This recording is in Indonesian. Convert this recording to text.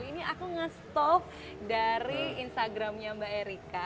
ini aku nge stop dari instagramnya mbak erika